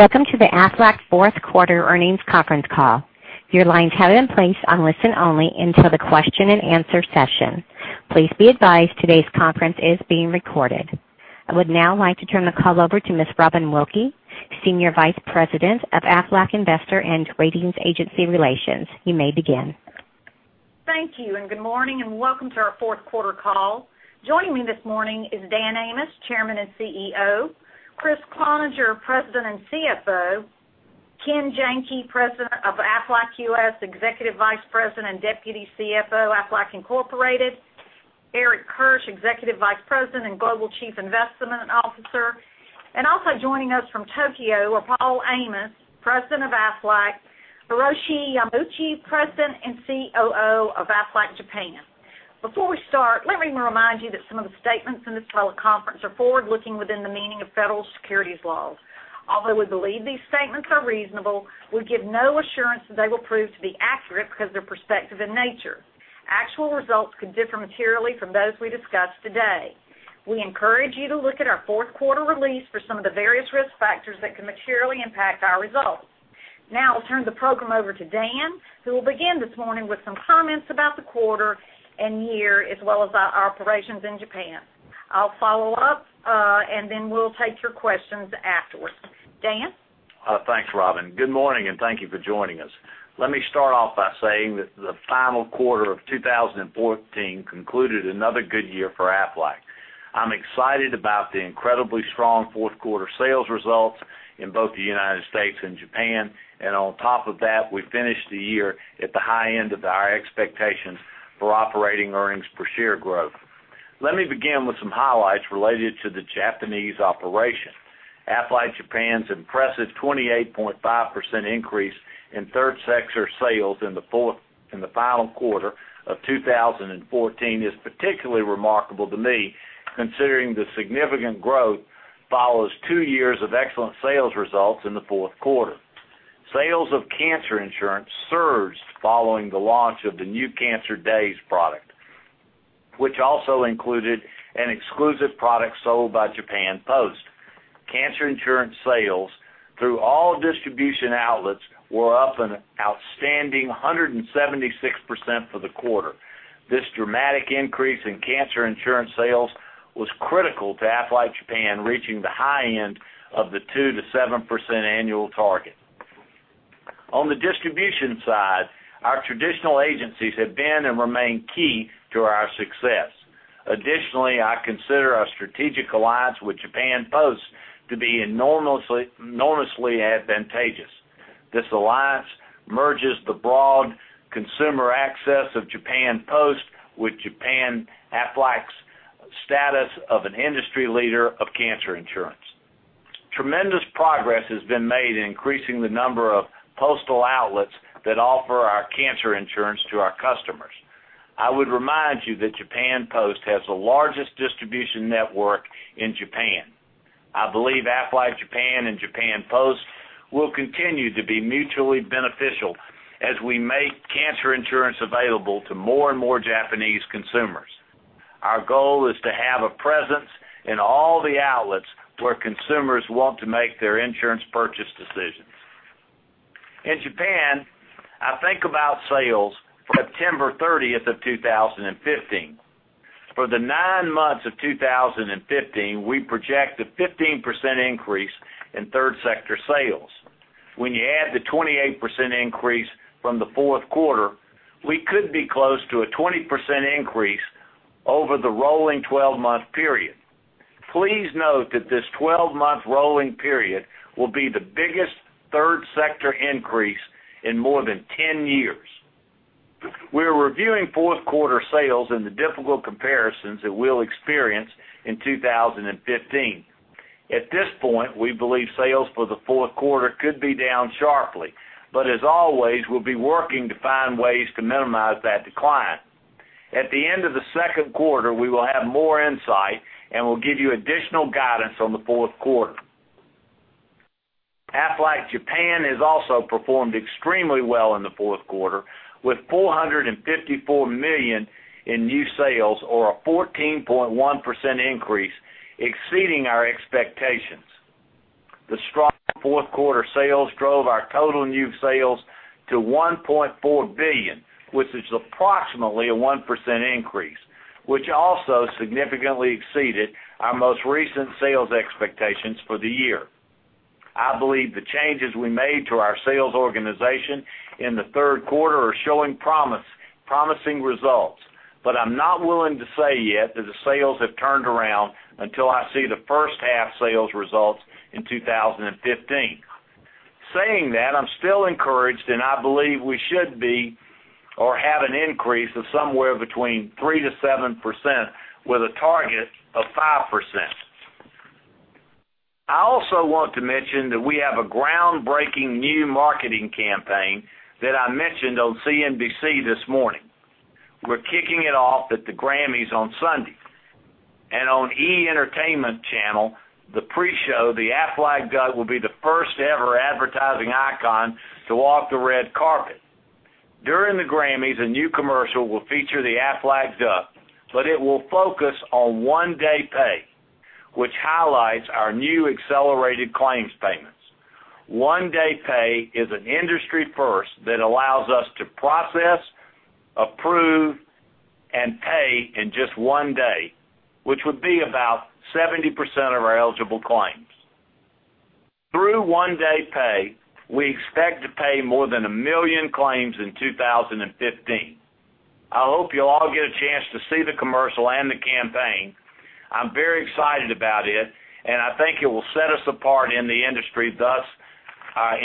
Welcome to the Aflac fourth quarter earnings conference call. Your lines have been placed on listen-only until the question and answer session. Please be advised today's conference is being recorded. I would now like to turn the call over to Ms. Robin Wilkey, Senior Vice President of Aflac Investor and Ratings Agency Relations. You may begin. Thank you, and good morning, and welcome to our fourth quarter call. Joining me this morning is Dan Amos, Chairman and CEO, Kriss Cloninger, President and CFO, Ken Janke, Senior Vice President, Investor Relations, Aflac Incorporated, Eric Kirsch, Executive Vice President and Global Chief Investment Officer, and also joining us from Tokyo are Paul Amos, President of Aflac, Hiroshi Yamauchi, President and COO of Aflac Japan. Before we start, let me remind you that some of the statements in this teleconference are forward-looking within the meaning of federal securities laws. Although we believe these statements are reasonable, we give no assurance that they will prove to be accurate because they're prospective in nature. Actual results could differ materially from those we discuss today. We encourage you to look at our fourth quarter release for some of the various risk factors that could materially impact our results. Now, I'll turn the program over to Dan, who will begin this morning with some comments about the quarter and year, as well as our operations in Japan. I'll follow up. Then we'll take your questions afterwards. Dan? Thanks, Robin. Good morning, and thank you for joining us. Let me start off by saying that the final quarter of 2014 concluded another good year for Aflac. On top of that, we finished the year at the high end of our expectations for operating earnings per share growth. Let me begin with some highlights related to the Japanese operation. Aflac Japan's impressive 28.5% increase in third sector sales in the final quarter of 2014 is particularly remarkable to me, considering the significant growth follows two years of excellent sales results in the fourth quarter. Sales of cancer insurance surged following the launch of the New Cancer DAYS product, which also included an exclusive product sold by Japan Post. Cancer insurance sales through all distribution outlets were up an outstanding 176% for the quarter. This dramatic increase in cancer insurance sales was critical to Aflac Japan reaching the high end of the 2%-7% annual target. On the distribution side, our traditional agencies have been and remain key to our success. Additionally, I consider our strategic alliance with Japan Post to be enormously advantageous. This alliance merges the broad consumer access of Japan Post with Aflac Japan's status of an industry leader of cancer insurance. Tremendous progress has been made in increasing the number of postal outlets that offer our cancer insurance to our customers. I would remind you that Japan Post has the largest distribution network in Japan. I believe Aflac Japan and Japan Post will continue to be mutually beneficial as we make cancer insurance available to more and more Japanese consumers. Our goal is to have a presence in all the outlets where consumers want to make their insurance purchase decisions. In Japan, I think about sales for September 30th, 2015. For the nine months of 2015, we project a 15% increase in third sector sales. When you add the 28% increase from the fourth quarter, we could be close to a 20% increase over the rolling 12-month period. Please note that this 12-month rolling period will be the biggest third sector increase in more than 10 years. We're reviewing fourth quarter sales and the difficult comparisons that we'll experience in 2015. At this point, we believe sales for the fourth quarter could be down sharply. As always, we'll be working to find ways to minimize that decline. At the end of the second quarter, we will have more insight. We'll give you additional guidance on the fourth quarter. Aflac Japan has also performed extremely well in the fourth quarter with $454 million in new sales or a 14.1% increase, exceeding our expectations. The strong fourth quarter sales drove our total new sales to $1.4 billion, which is approximately a 1% increase, which also significantly exceeded our most recent sales expectations for the year. I believe the changes we made to our sales organization in the third quarter are showing promising results. I'm not willing to say yet that the sales have turned around until I see the first half sales results in 2015. Saying that, I'm still encouraged. I believe we should be or have an increase of somewhere between 3%-7% with a target of 5%. I also want to mention that we have a groundbreaking new marketing campaign that I mentioned on CNBC this morning. We're kicking it off at the Grammys on Sunday. On E! Entertainment Television, the pre-show, the Aflac Duck will be the first ever advertising icon to walk the red carpet. During the Grammys, a new commercial will feature the Aflac Duck. It will focus on One Day Pay, which highlights our new accelerated claims payments. One Day Pay is an industry first that allows us to process, approve, and pay in just one day, which would be about 70% of our eligible claims. Through One Day Pay, we expect to pay more than 1 million claims in 2015. I hope you'll all get a chance to see the commercial and the campaign. I'm very excited about it, and I think it will set us apart in the industry, thus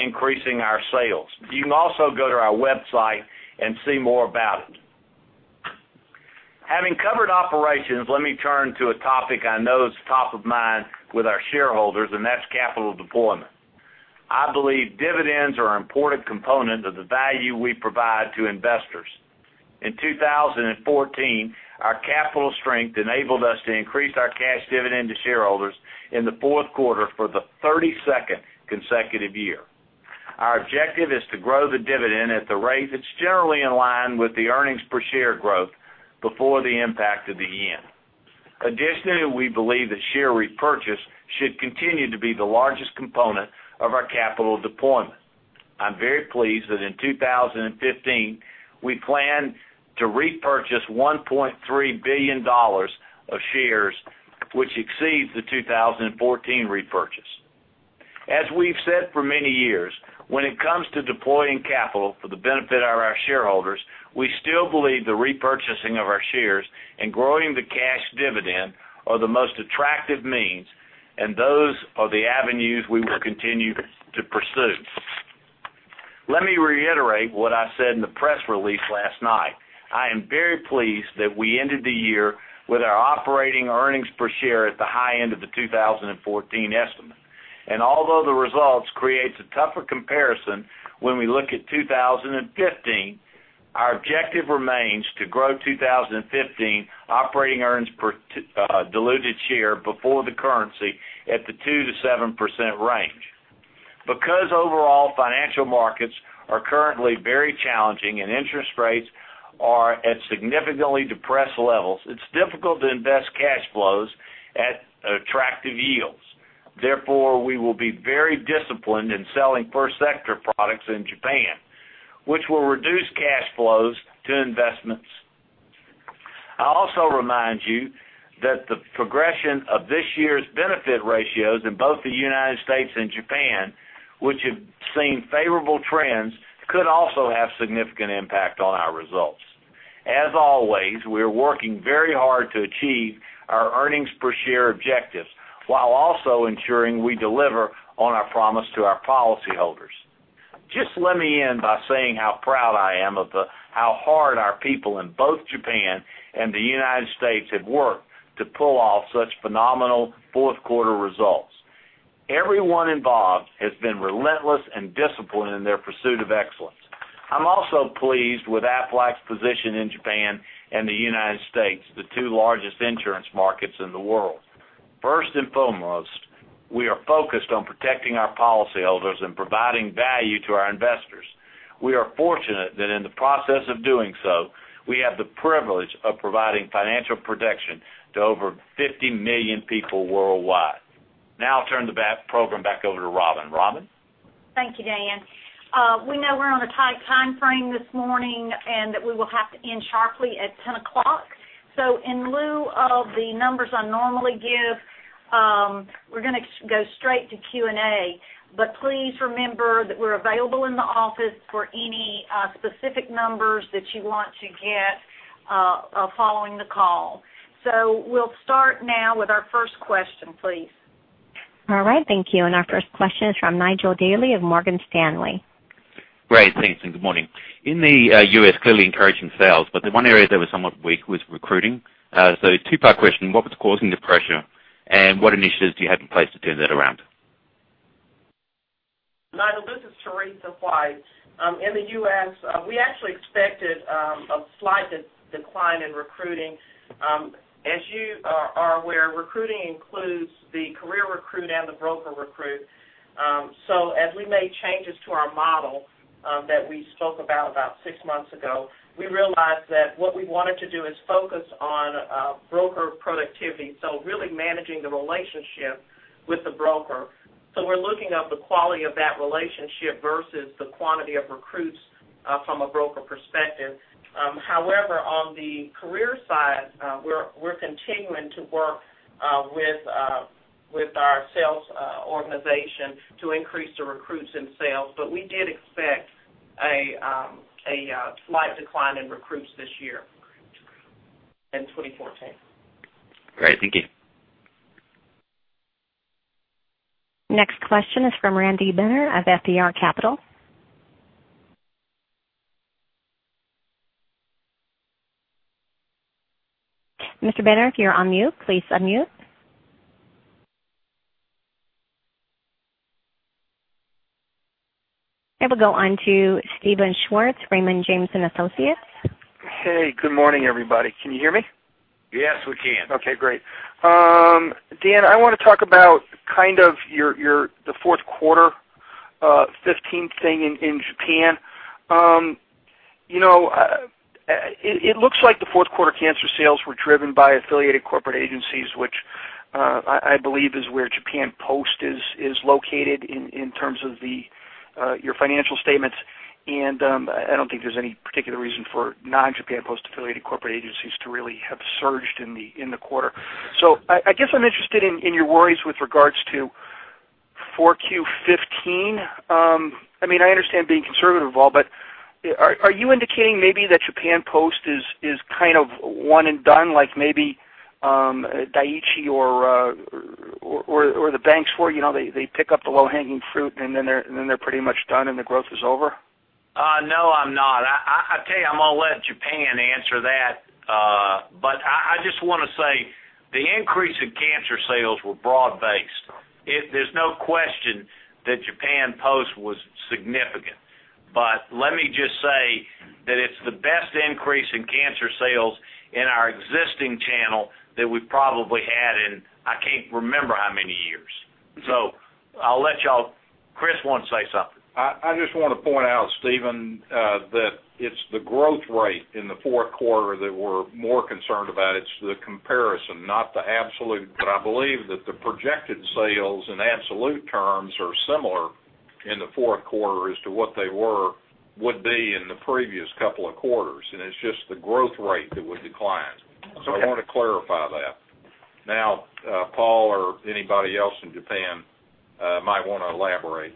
increasing our sales. You can also go to our website and see more about it. Having covered operations, let me turn to a topic I know is top of mind with our shareholders, that's capital deployment. I believe dividends are an important component of the value we provide to investors. In 2014, our capital strength enabled us to increase our cash dividend to shareholders in the fourth quarter for the 32nd consecutive year. Our objective is to grow the dividend at the rate that's generally in line with the earnings per share growth before the impact of the JPY. We believe that share repurchase should continue to be the largest component of our capital deployment. I'm very pleased that in 2015, we plan to repurchase $1.3 billion of shares, which exceeds the 2014 repurchase. As we've said for many years, when it comes to deploying capital for the benefit of our shareholders, we still believe the repurchasing of our shares and growing the cash dividend are the most attractive means, those are the avenues we will continue to pursue. Let me reiterate what I said in the press release last night. I am very pleased that we ended the year with our operating earnings per share at the high end of the 2014 estimate. Although the results create a tougher comparison when we look at 2015, our objective remains to grow 2015 operating earnings per diluted share before the currency at the 2%-7% range. Overall financial markets are currently very challenging and interest rates are at significantly depressed levels, it's difficult to invest cash flows at attractive yields. We will be very disciplined in selling first sector products in Japan, which will reduce cash flows to investments. I also remind you that the progression of this year's benefit ratios in both the U.S. and Japan, which have seen favorable trends, could also have significant impact on our results. As always, we are working very hard to achieve our earnings per share objectives while also ensuring we deliver on our promise to our policyholders. Just let me end by saying how proud I am of how hard our people in both Japan and the U.S. have worked to pull off such phenomenal fourth quarter results. Everyone involved has been relentless and disciplined in their pursuit of excellence. I'm also pleased with Aflac's position in Japan and the U.S., the two largest insurance markets in the world. First and foremost, we are focused on protecting our policyholders and providing value to our investors. We are fortunate that in the process of doing so, we have the privilege of providing financial protection to over 50 million people worldwide. I'll turn the program back over to Robin. Robin? Thank you, Dan. We know we're on a tight timeframe this morning, and that we will have to end sharply at 10:00. In lieu of the numbers I normally give, we're going to go straight to Q&A. Please remember that we're available in the office for any specific numbers that you want to get following the call. We'll start now with our first question, please. All right. Thank you. Our first question is from Nigel Dally of Morgan Stanley. Great, thanks, and good morning. In the U.S., clearly encouraging sales, the one area that was somewhat weak was recruiting. Two-part question, what was causing the pressure, and what initiatives do you have in place to turn that around? Nigel, this is Teresa White. In the U.S., we actually expected a slight decline in recruiting. As you are aware, recruiting includes the career recruit and the broker recruit. As we made changes to our model that we spoke about six months ago, we realized that what we wanted to do is focus on broker productivity, so really managing the relationship with the broker. We're looking at the quality of that relationship versus the quantity of recruits from a broker perspective. However, on the career side, we're continuing to work with our sales organization to increase the recruits in sales, we did expect a slight decline in recruits this year in 2014. Great. Thank you. Next question is from Randy Binner of FBR Capital Markets. Mr. Binner, if you're on mute, please unmute. I will go on to Steven Schwartz, Raymond James & Associates. Hey, good morning, everybody. Can you hear me? Yes, we can. Okay, great. Dan, I want to talk about the fourth quarter 2015 thing in Japan. It looks like the fourth quarter cancer sales were driven by affiliated corporate agencies, which I believe is where Japan Post is located in terms of your financial statements. I don't think there's any particular reason for non-Japan Post affiliated corporate agencies to really have surged in the quarter. I guess I'm interested in your worries with regards to 4Q 2015. I understand being conservative of all, but are you indicating maybe that Japan Post is one and done, like maybe Dai-ichi Life or the banks were? They pick up the low-hanging fruit and then they're pretty much done and the growth is over? No, I'm not. I tell you, I'm going to let Japan answer that. I just want to say, the increase in cancer sales were broad-based. There's no question that Japan Post was significant. Let me just say that it's the best increase in cancer sales in our existing channel that we've probably had in, I can't remember how many years. I'll let y'all, Chris wanted to say something. I just want to point out, Steven, that it's the growth rate in the fourth quarter that we're more concerned about. It's the comparison, not the absolute. I believe that the projected sales in absolute terms are similar in the fourth quarter as to what they would be in the previous couple of quarters, and it's just the growth rate that would decline. I want to clarify that. Paul or anybody else in Japan might want to elaborate.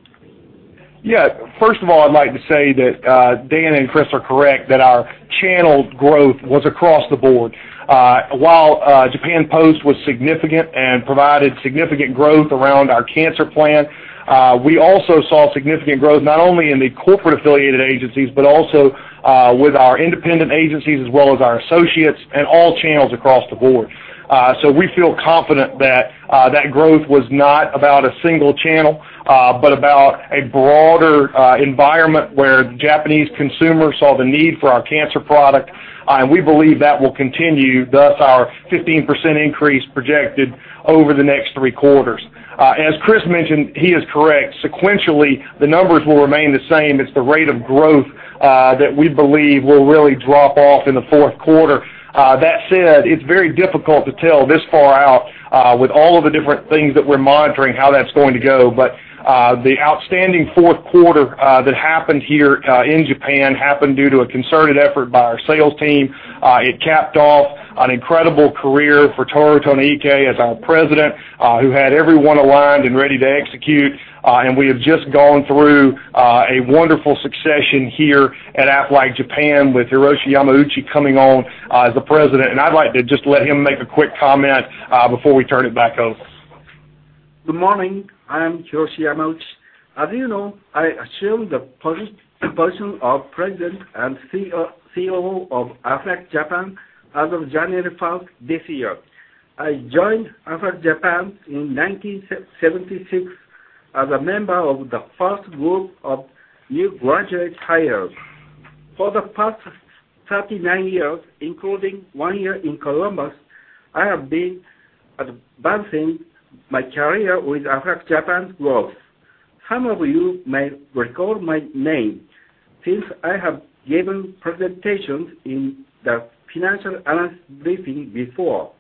Yeah. First of all, I'd like to say that Dan and Chris are correct, that our channel growth was across the board. While Japan Post was significant and provided significant growth around our cancer plan, we also saw significant growth not only in the corporate-affiliated agencies, but also with our independent agencies, as well as our associates and all channels across the board. We feel confident that that growth was not about a single channel, but about a broader environment where the Japanese consumer saw the need for our cancer product, and we believe that will continue, thus our 15% increase projected over the next three quarters. As Chris mentioned, he is correct. Sequentially, the numbers will remain the same. It's the rate of growth that we believe will really drop off in the fourth quarter. It's very difficult to tell this far out with all of the different things that we're monitoring, how that's going to go. The outstanding fourth quarter that happened here in Japan happened due to a concerted effort by our sales team. It capped off an incredible career for Tohru Tonoike as our president, who had everyone aligned and ready to execute. We have just gone through a wonderful succession here at Aflac Japan with Hiroshi Yamauchi coming on as the president, and I'd like to just let him make a quick comment before we turn it back over. Good morning. I am Hiroshi Yamauchi. As you know, I assumed the position of President and CEO of Aflac Japan as of January 5th this year. I joined Aflac Japan in 1976 as a member of the first group of new graduate hires. For the past 39 years, including one year in Columbus, I have been advancing my career with Aflac Japan's growth. Some of you may recall my name since I have given presentations in the Financial Analysts Briefing before.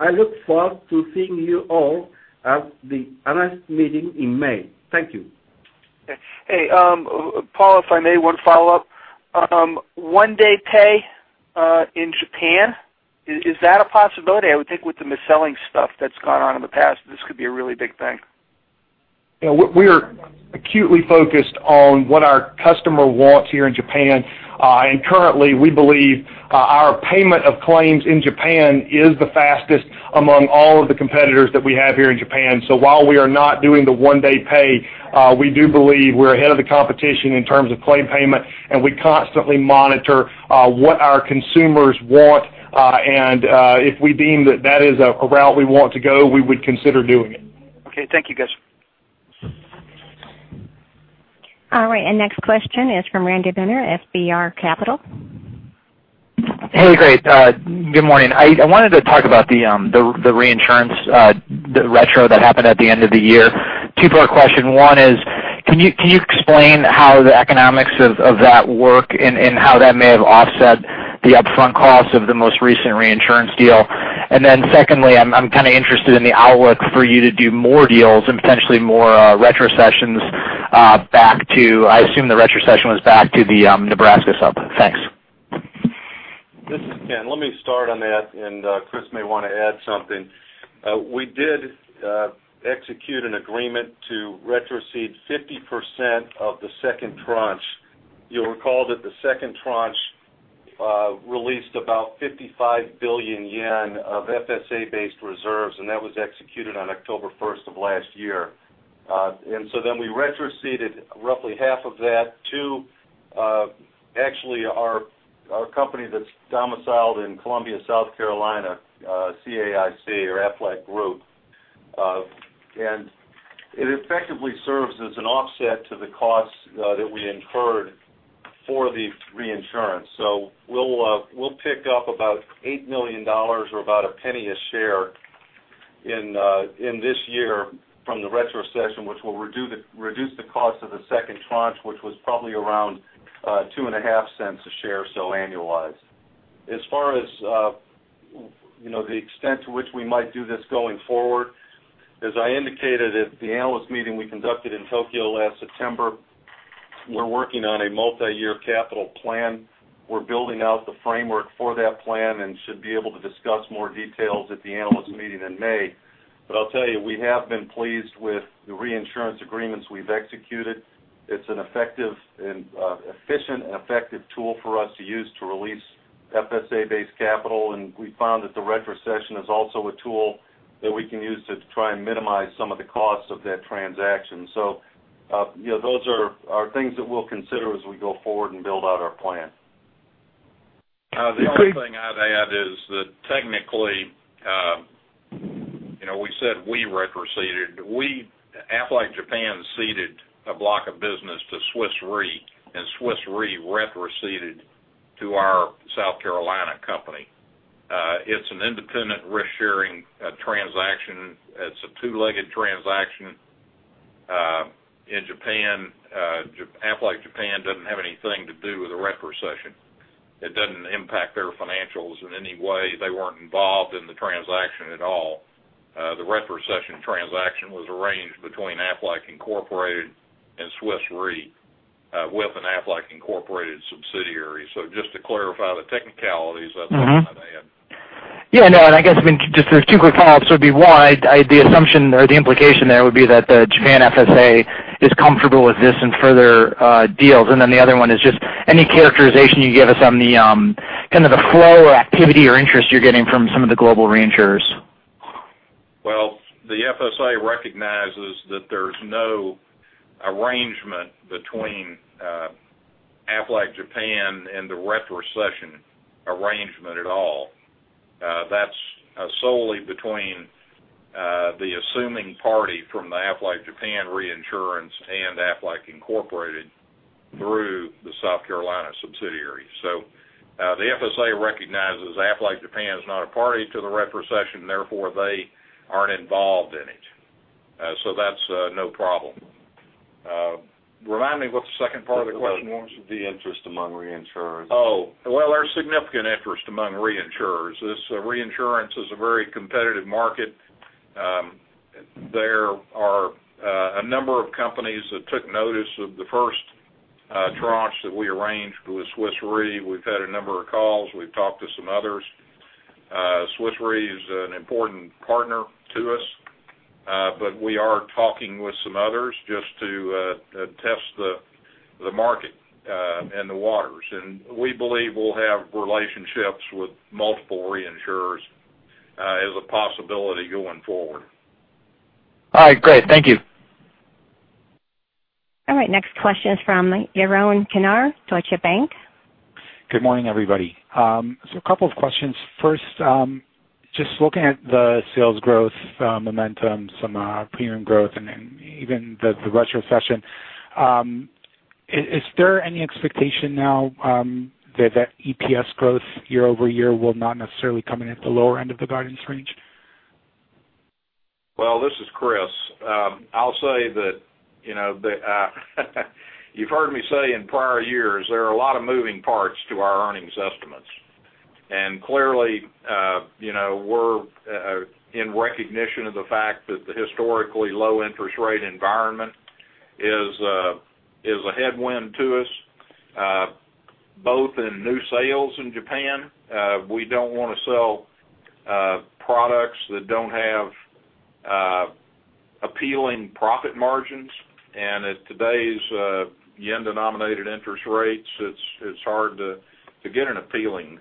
I look forward to seeing you all at the analyst meeting in May. Thank you. Okay. Hey, Paul, if I may, one follow-up. One Day Pay in Japan, is that a possibility? I would think with the mis-selling stuff that's gone on in the past, this could be a really big thing. Yeah. We're acutely focused on what our customer wants here in Japan. Currently, we believe our payment of claims in Japan is the fastest among all of the competitors that we have here in Japan. While we are not doing the One Day Pay, we do believe we're ahead of the competition in terms of claim payment, and we constantly monitor what our consumers want. If we deem that that is a route we want to go, we would consider doing it. Okay. Thank you, guys. All right. Next question is from Randy Binner, FBR Capital. Hey, great. Good morning. I wanted to talk about the reinsurance, the retro that happened at the end of the year. Two-part question. One is, can you explain how the economics of that work and how that may have offset the upfront cost of the most recent reinsurance deal? Secondly, I'm kind of interested in the outlook for you to do more deals and potentially more retrocessions back to, I assume the retrocession was back to the Nebraska sub. Thanks. This is Ken. Let me start on that, and Chris may want to add something. We did execute an agreement to retrocede 50% of the second tranche. You'll recall that the second tranche released about 55 billion yen of FSA-based reserves, and that was executed on October 1st of last year. We retroceded roughly half of that to actually our company that's domiciled in Columbia, South Carolina, CAIC or Aflac Group. It effectively serves as an offset to the cost that we incurred for the reinsurance. We'll pick up about $8 million or about $0.01 a share in this year from the retrocession, which will reduce the cost of the second tranche, which was probably around $0.025 a share, so annualized. As far as the extent to which we might do this going forward, as I indicated at the Analyst Meeting we conducted in Tokyo last September, we're working on a multi-year capital plan. We're building out the framework for that plan and should be able to discuss more details at the Analyst Meeting in May. I'll tell you, we have been pleased with the reinsurance agreements we've executed. It's an efficient and effective tool for us to use to release FSA-based capital. We found that the retrocession is also a tool that we can use to try and minimize some of the costs of that transaction. Those are things that we'll consider as we go forward and build out our plan. The only thing I'd add is that technically, we said we retroceded. Aflac Japan ceded a block of business to Swiss Re, and Swiss Re retroceded to our South Carolina company. It's an independent risk-sharing transaction. It's a two-legged transaction in Japan. Aflac Japan doesn't have anything to do with the retrocession. It doesn't impact their financials in any way. They weren't involved in the transaction at all. The retrocession transaction was arranged between Aflac Incorporated and Swiss Re, with an Aflac Incorporated subsidiary. Just to clarify the technicalities, that's all I'm going to add. I guess just there's two quick follow-ups would be, one, the assumption or the implication there would be that the Japan FSA is comfortable with this and further deals. The other one is just any characterization you can give us on the kind of the flow or activity or interest you're getting from some of the global reinsurers? Well, the FSA recognizes that there's no arrangement between Aflac Japan and the retrocession arrangement at all. That's solely between the assuming party from the Aflac Japan reinsurance and Aflac Incorporated through the South Carolina subsidiary. The FSA recognizes Aflac Japan is not a party to the retrocession, therefore they aren't involved in it. That's no problem. Remind me what the second part of the question was. The interest among reinsurers. Oh. Well, there's significant interest among reinsurers. This reinsurance is a very competitive market. There are a number of companies that took notice of the first tranche that we arranged with Swiss Re. We've had a number of calls. We've talked to some others. Swiss Re is an important partner to us. We are talking with some others just to test the market and the waters. We believe we'll have relationships with multiple reinsurers as a possibility going forward. All right. Great. Thank you. All right. Next question is from Yaron Kinar, Deutsche Bank. Good morning, everybody. A couple of questions. First, just looking at the sales growth momentum, some premium growth, and then even the retrocession. Is there any expectation now that EPS growth year-over-year will not necessarily come in at the lower end of the guidance range? Well, this is Kriss. I'll say that you've heard me say in prior years, there are a lot of moving parts to our earnings estimates. Clearly, we're in recognition of the fact that the historically low interest rate environment is a headwind to us, both in new sales in Japan. We don't want to sell products that don't have appealing profit margins. At today's yen-denominated interest rates, it's hard to get an appealing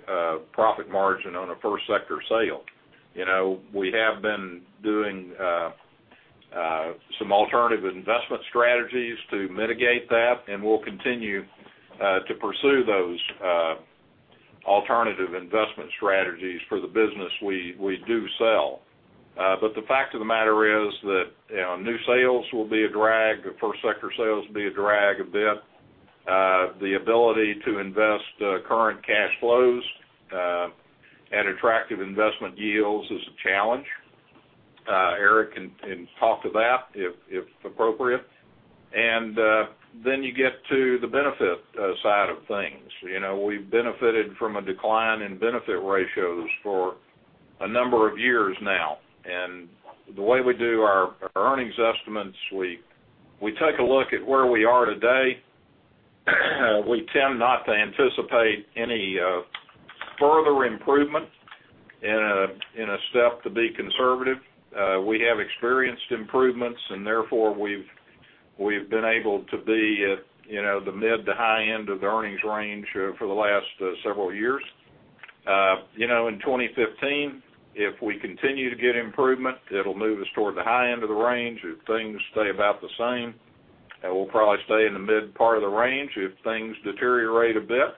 profit margin on a first sector sale. We have been doing some alternative investment strategies to mitigate that, and we'll continue to pursue those alternative investment strategies for the business we do sell. The fact of the matter is that new sales will be a drag. The first sector sales will be a drag a bit. The ability to invest current cash flows at attractive investment yields is a challenge. Eric can talk to that, if appropriate. Then you get to the benefit side of things. We've benefited from a decline in benefit ratios for a number of years now. The way we do our earnings estimates, we take a look at where we are today. We tend not to anticipate any further improvement in a step to be conservative. We have experienced improvements and therefore we've been able to be at the mid to high end of the earnings range for the last several years. In 2015, if we continue to get improvement, it'll move us toward the high end of the range. If things stay about the same, we'll probably stay in the mid part of the range if things deteriorate a bit.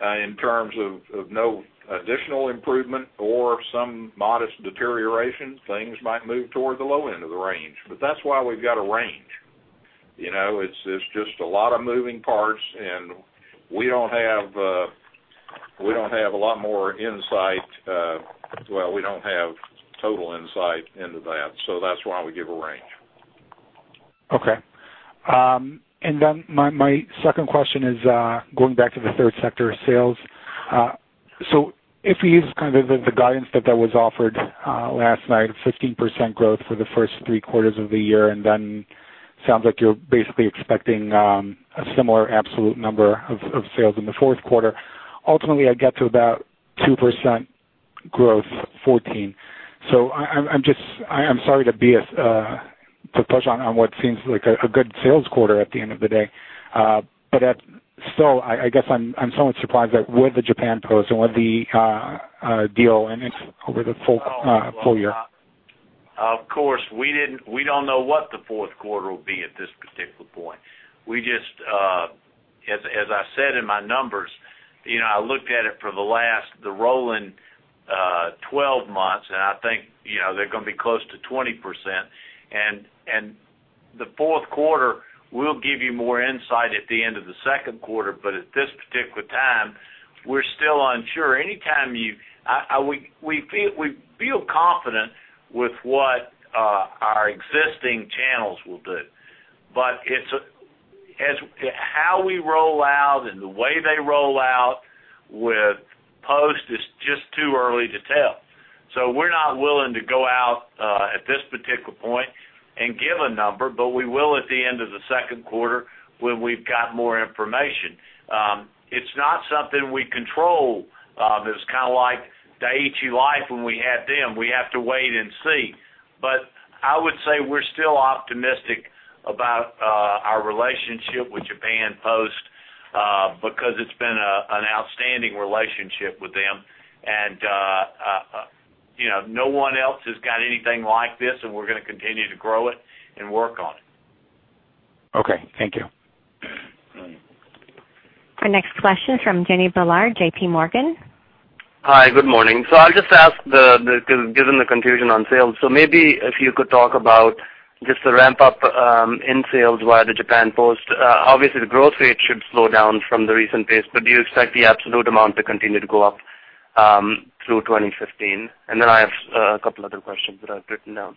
In terms of no additional improvement or some modest deterioration, things might move toward the low end of the range. That's why we've got a range. It's just a lot of moving parts, and we don't have total insight into that. That's why we give a range. Okay. My second question is going back to the third sector sales. If we use the guidance that was offered last night of 15% growth for the first three quarters of the year, then sounds like you're basically expecting a similar absolute number of sales in the fourth quarter. Ultimately, I get to about 2% growth 14. I'm sorry to be a push on what seems like a good sales quarter at the end of the day. Still, I guess I'm somewhat surprised at with the Japan Post and with the deal and over the full year. Of course, we don't know what the fourth quarter will be at this particular point. As I said in my numbers, I looked at it for the rolling 12 months, and I think they're going to be close to 20%. The fourth quarter will give you more insight at the end of the second quarter, but at this particular time, we're still unsure. We feel confident with what our existing channels will do, but how we roll out and the way they roll out with Post is just too early to tell. We're not willing to go out at this particular point and give a number, but we will at the end of the second quarter when we've got more information. It's not something we control. It's kind of like Dai-ichi Life when we had them. We have to wait and see. I would say we're still optimistic about our relationship with Japan Post because it's been an outstanding relationship with them. No one else has got anything like this, and we're going to continue to grow it and work on it. Okay. Thank you. Our next question is from Jimmy Bhullar, JPMorgan. Hi, good morning. I'll just ask, given the confusion on sales, maybe if you could talk about just the ramp-up in sales via the Japan Post. Obviously, the growth rate should slow down from the recent pace, but do you expect the absolute amount to continue to go up through 2015? Then I have a couple other questions that I've written down.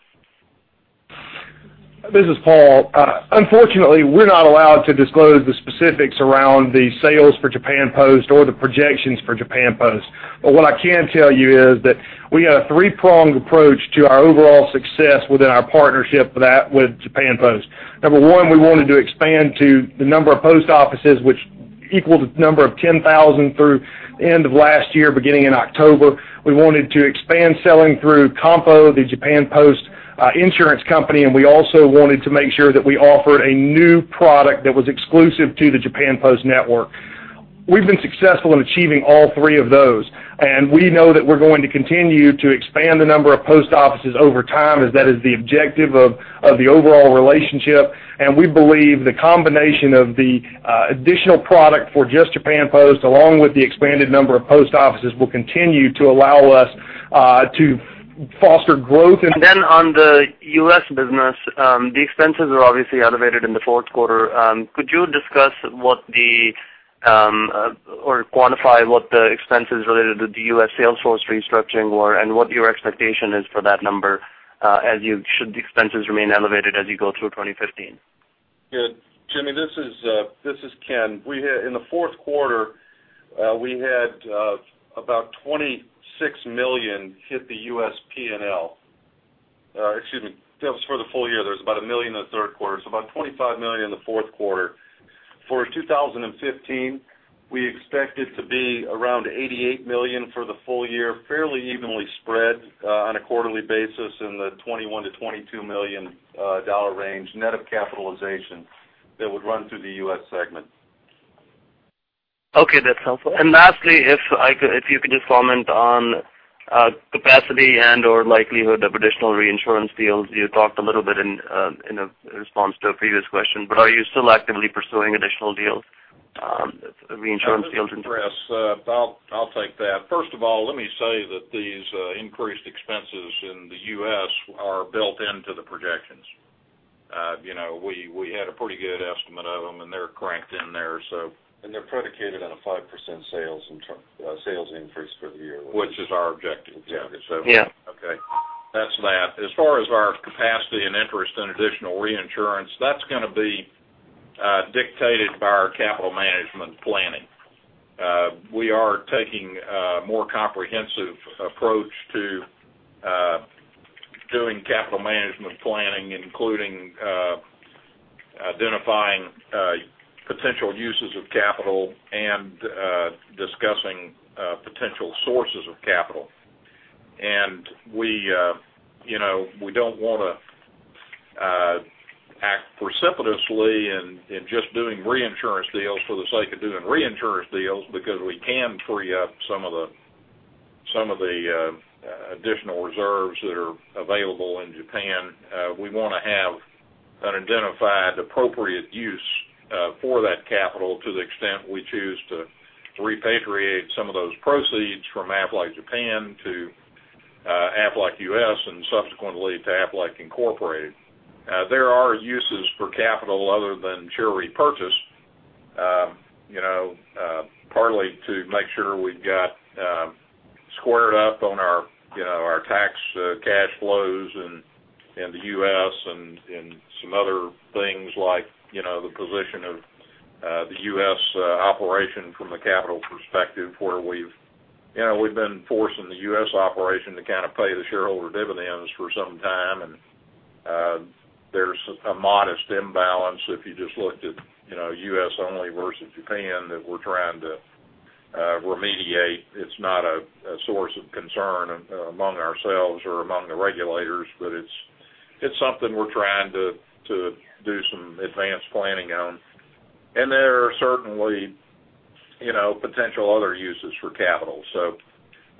This is Paul. Unfortunately, we're not allowed to disclose the specifics around the sales for Japan Post or the projections for Japan Post. What I can tell you is that we had a three-pronged approach to our overall success within our partnership with Japan Post. Number one, we wanted to expand to the number of post offices, which equaled the number of 10,000 through the end of last year, beginning in October. We wanted to expand selling through Kampo, the Japan Post Insurance Company, we also wanted to make sure that we offered a new product that was exclusive to the Japan Post network. We've been successful in achieving all three of those, we know that we're going to continue to expand the number of post offices over time, as that is the objective of the overall relationship. We believe the combination of the additional product for just Japan Post, along with the expanded number of post offices, will continue to allow us to foster growth. On the U.S. business, the expenses are obviously elevated in the fourth quarter. Could you discuss or quantify what the expenses related to the U.S. sales force restructuring were and what your expectation is for that number, should the expenses remain elevated as you go through 2015? Good. Jimmy, this is Ken. In the fourth quarter, we had about $26 million hit the U.S. P&L. Excuse me, that was for the full year. There was about $1 million in the third quarter, so about $25 million in the fourth quarter. For 2015, we expect it to be around $88 million for the full year, fairly evenly spread on a quarterly basis in the $21 million-$22 million range net of capitalization that would run through the U.S. segment. Okay, that's helpful. Lastly, if you could just comment on capacity and/or likelihood of additional reinsurance deals. You talked a little bit in a response to a previous question, but are you still actively pursuing additional deals, reinsurance deals? This is Kriss. I'll take that. First of all, let me say that these increased expenses in the U.S. are built into the projections. We had a pretty good estimate of them, and they're cranked in there. They're predicated on a 5% sales increase for the year. Which is our objective. Yeah. Okay. That's that. As far as our capacity and interest in additional reinsurance, that's going to be dictated by our capital management planning. We are taking a more comprehensive approach to doing capital management planning, including identifying potential uses of capital and discussing potential sources of capital. We don't want to act precipitously in just doing reinsurance deals for the sake of doing reinsurance deals because we can free up some of the additional reserves that are available in Japan, we want to have an identified appropriate use for that capital to the extent we choose to repatriate some of those proceeds from Aflac Japan to Aflac U.S. and subsequently to Aflac Incorporated. There are uses for capital other than share repurchase, partly to make sure we've got squared up on our tax cash flows in the U.S. and some other things like the position of the U.S. operation from a capital perspective where we've been forcing the U.S. operation to kind of pay the shareholder dividends for some time, and there's a modest imbalance if you just looked at U.S. only versus Japan that we're trying to remediate. It's not a source of concern among ourselves or among the regulators, but it's something we're trying to do some advanced planning on. There are certainly potential other uses for capital.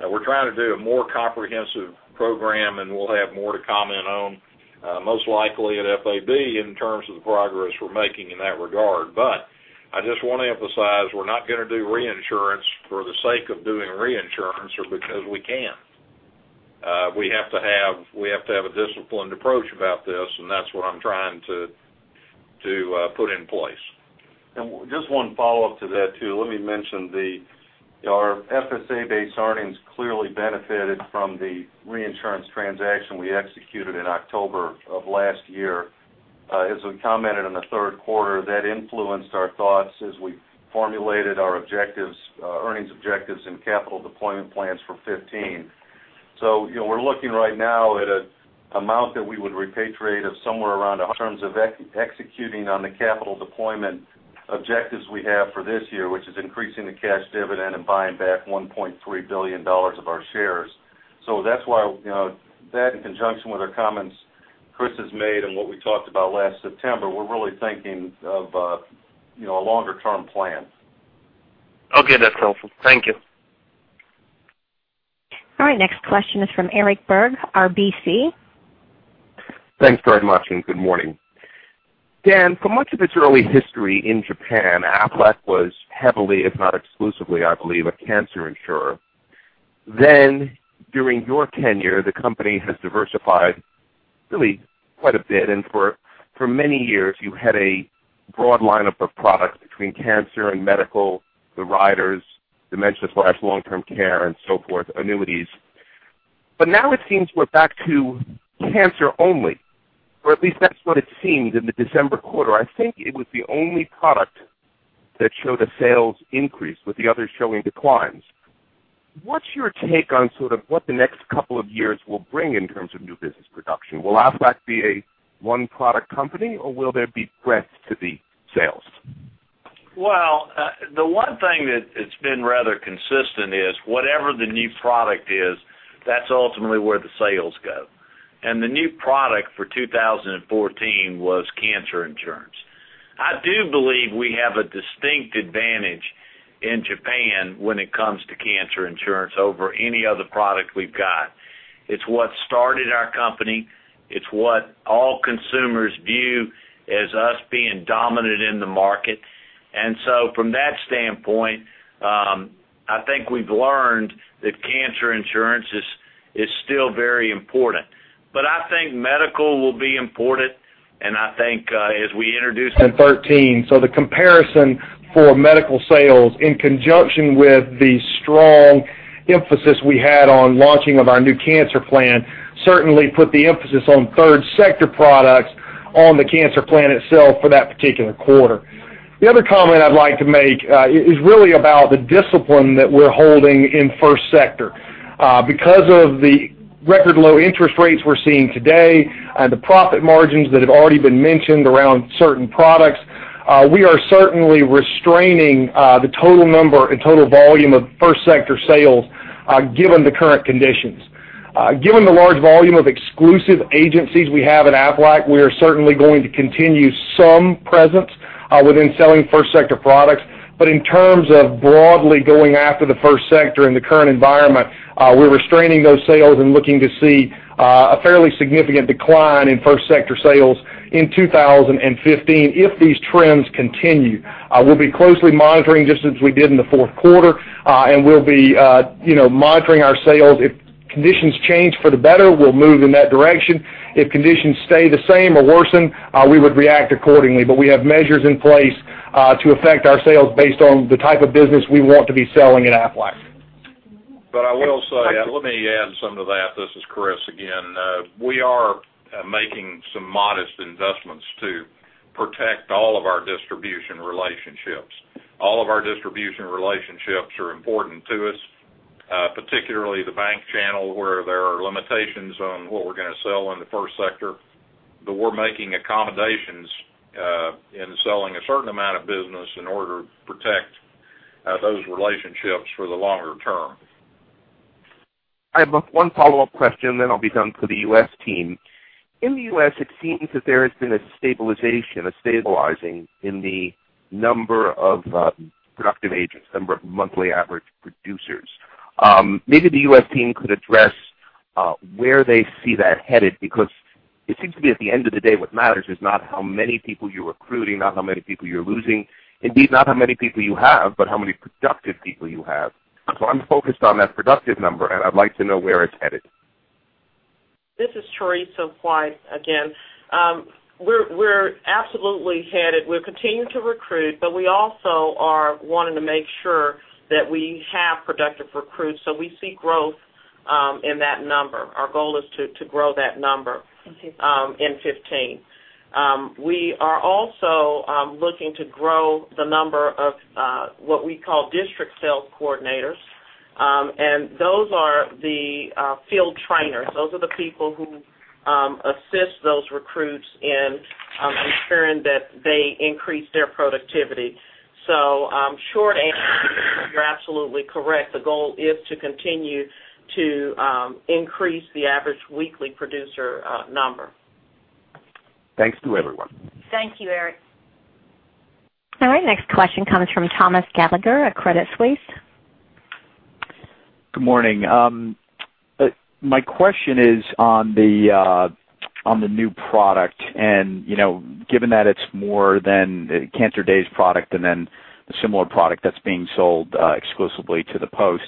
We're trying to do a more comprehensive program, and we'll have more to comment on, most likely at FAB in terms of the progress we're making in that regard. I just want to emphasize, we're not going to do reinsurance for the sake of doing reinsurance or because we can. We have to have a disciplined approach about this, and that's what I'm trying to put in place. Just one follow-up to that, too. Let me mention our FSA-based earnings clearly benefited from the reinsurance transaction we executed in October of last year. As we commented in the third quarter, that influenced our thoughts as we formulated our earnings objectives and capital deployment plans for 2015. We're looking right now at an amount that we would repatriate of somewhere around in terms of executing on the capital deployment objectives we have for this year, which is increasing the cash dividend and buying back $1.3 billion of our shares. That in conjunction with the comments Kriss has made and what we talked about last September, we're really thinking of a longer-term plan. Okay, that's helpful. Thank you. All right, next question is from Eric Berg, RBC. Thanks very much, and good morning. Dan, for much of its early history in Japan, Aflac was heavily, if not exclusively, I believe, a cancer insurer. During your tenure, the company has diversified really quite a bit, and for many years you had a broad lineup of products between cancer and medical, the riders, dementia/long-term care and so forth, annuities. Now it seems we're back to cancer only, or at least that's what it seemed in the December quarter. I think it was the only product that showed a sales increase with the others showing declines. What's your take on sort of what the next couple of years will bring in terms of new business production? Will Aflac be a one-product company or will there be breadth to the sales? Well, the one thing that's been rather consistent is whatever the new product is, that's ultimately where the sales go. The new product for 2014 was cancer insurance. I do believe we have a distinct advantage in Japan when it comes to cancer insurance over any other product we've got. It's what started our company. It's what all consumers view as us being dominant in the market. From that standpoint, I think we've learned that cancer insurance is still very important. I think medical will be important, and I think as we introduced in 2013. The comparison for medical sales in conjunction with the strong emphasis we had on launching of our new cancer plan certainly put the emphasis on third sector products on the cancer plan itself for that particular quarter. The other comment I'd like to make is really about the discipline that we're holding in first sector. Because of the record low interest rates we're seeing today, the profit margins that have already been mentioned around certain products, we are certainly restraining the total number and total volume of first sector sales given the current conditions. Given the large volume of exclusive agencies we have at Aflac, we are certainly going to continue some presence within selling first sector products. In terms of broadly going after the first sector in the current environment, we're restraining those sales and looking to see a fairly significant decline in first sector sales in 2015 if these trends continue. We'll be closely monitoring just as we did in the fourth quarter, and we'll be monitoring our sales. If conditions change for the better, we'll move in that direction. If conditions stay the same or worsen, we would react accordingly. We have measures in place to affect our sales based on the type of business we want to be selling at Aflac. I will say, let me add something to that. This is Kriss again. We are making some modest investments to protect all of our distribution relationships. All of our distribution relationships are important to us, particularly the bank channel where there are limitations on what we're going to sell in the first sector. We're making accommodations in selling a certain amount of business in order to protect those relationships for the longer term. I have one follow-up question, then I'll be done for the U.S. team In the U.S., it seems that there has been a stabilization in the number of productive agents, number of monthly average producers. Maybe the U.S. team could address where they see that headed, because it seems to me at the end of the day, what matters is not how many people you're recruiting, not how many people you're losing. Indeed, not how many people you have, but how many productive people you have. I'm focused on that productive number, and I'd like to know where it's headed. This is Teresa White again. We're absolutely headed. We're continuing to recruit, but we also are wanting to make sure that we have productive recruits, so we see growth in that number. Our goal is to grow that number- In 2015 in 2015. We are also looking to grow the number of what we call District Sales Coordinators. Those are the field trainers. Those are the people who assist those recruits in ensuring that they increase their productivity. Short answer, you're absolutely correct. The goal is to continue to increase the Average Weekly Producer Number. Thanks to everyone. Thank you, Eric. Next question comes from Thomas Gallagher at Credit Suisse. Good morning. My question is on the new product, given that it's more than the Cancer DAYS product and then the similar product that's being sold exclusively to the Post.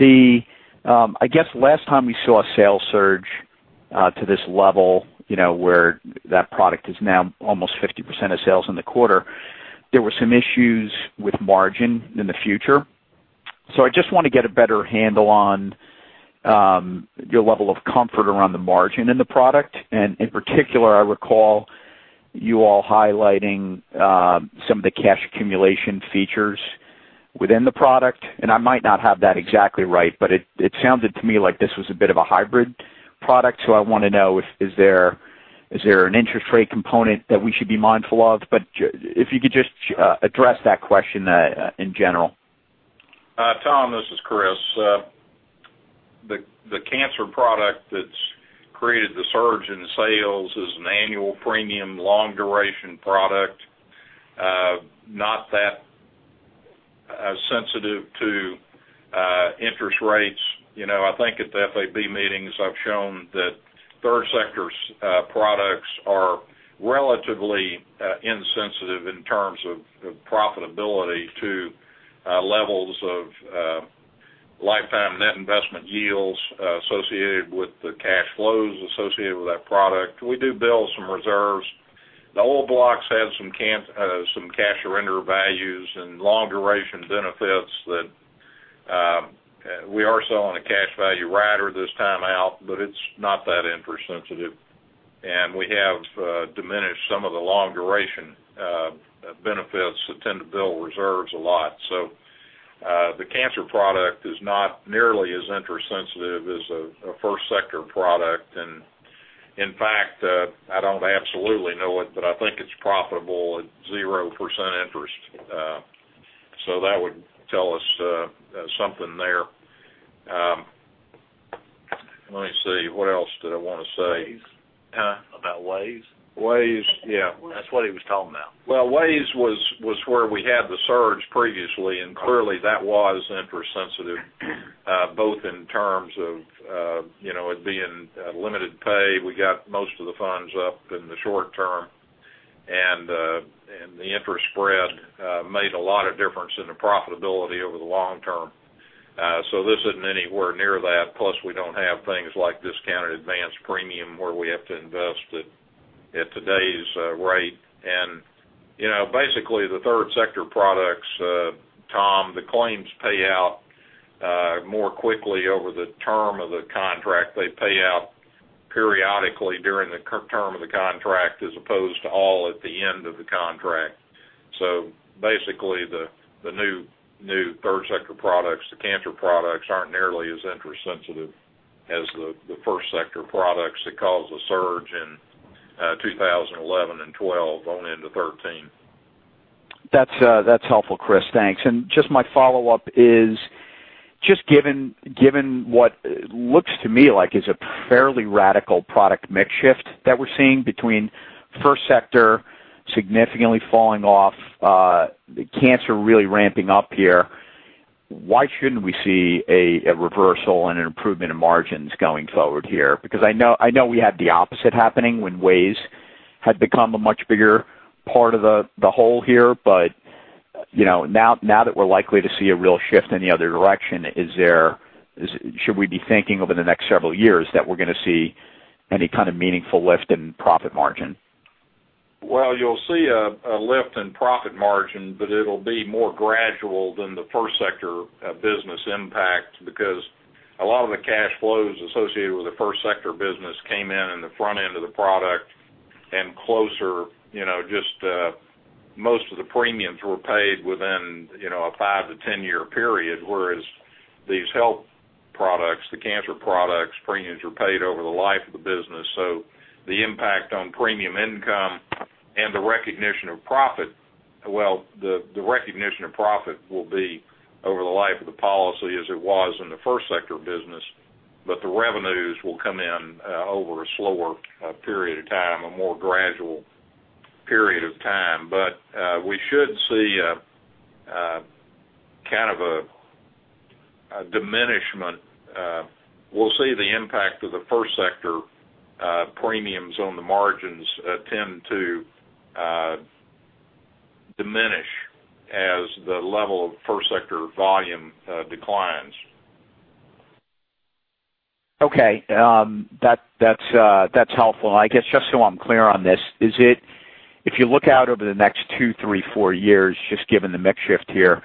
I guess last time we saw a sales surge to this level, where that product is now almost 50% of sales in the quarter, there were some issues with margin in the future. I just want to get a better handle on your level of comfort around the margin in the product. In particular, I recall you all highlighting some of the cash accumulation features within the product, and I might not have that exactly right, but it sounded to me like this was a bit of a hybrid product. I want to know, is there an interest rate component that we should be mindful of? If you could just address that question in general. Tom, this is Kriss. The Cancer product that's created the surge in sales is an annual premium long duration product. Not that sensitive to interest rates. I think at the FAB meetings, I've shown that third sector's products are relatively insensitive in terms of profitability to levels of lifetime net investment yields associated with the cash flows associated with that product. We do build some reserves. The old blocks had some cash surrender values and long duration benefits that we are selling a cash value rider this time out, but it's not that interest sensitive. We have diminished some of the long duration benefits that tend to build reserves a lot. The Cancer product is not nearly as interest sensitive as a first sector product. In fact, I don't absolutely know it, but I think it's profitable at 0% interest. That would tell us something there. Let me see. What else did I want to say? About WAYS? WAYS, yeah. That's what he was talking about. Well, WAYS was where we had the surge previously. Clearly that was interest sensitive, both in terms of it being limited pay. We got most of the funds up in the short term. The interest spread made a lot of difference in the profitability over the long term. This isn't anywhere near that. Plus, we don't have things like discounted advanced premium where we have to invest it at today's rate. Basically, the third sector products, Tom, the claims pay out more quickly over the term of the contract. They pay out periodically during the term of the contract as opposed to all at the end of the contract. Basically, the new third sector products, the cancer products, aren't nearly as interest sensitive as the first sector products that caused a surge in 2011 and 2012 on into 2013. That's helpful, Kriss. Thanks. Just my follow-up is, just given what looks to me like is a fairly radical product mix shift that we're seeing between first sector significantly falling off, the cancer really ramping up here. Why shouldn't we see a reversal and an improvement in margins going forward here? I know we had the opposite happening when WAYS had become a much bigger part of the whole here. Now that we're likely to see a real shift in the other direction, should we be thinking over the next several years that we're going to see any kind of meaningful lift in profit margin? Well, you'll see a lift in profit margin, it'll be more gradual than the First Sector business impact because a lot of the cash flows associated with the First Sector business came in the front end of the product and closer. Most of the premiums were paid within a five-10 year period, whereas these health products, the cancer products, premiums are paid over the life of the business. Well, the recognition of profit will be over the life of the policy as it was in the First Sector business, the revenues will come in over a slower period of time, a more gradual period of time. We should see a diminishment. We'll see the impact of the First Sector premiums on the margins tend to diminish as the level of First Sector volume declines. Okay. That's helpful. I guess just so I'm clear on this, if you look out over the next two, three, four years, just given the mix shift here,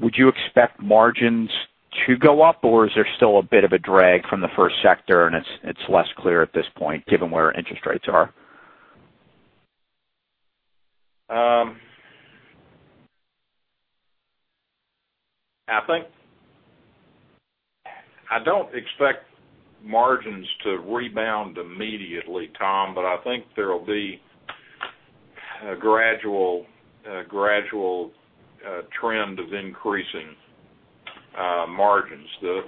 would you expect margins to go up, or is there still a bit of a drag from the First Sector and it's less clear at this point given where interest rates are? I don't expect margins to rebound immediately, Tom, I think there'll be a gradual trend of increasing margins.